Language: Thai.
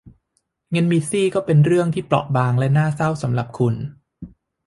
งั้นมิสซี่ก็เป็นเรื่องที่เปราะบางและน่าเศร้าสำหรับคุณ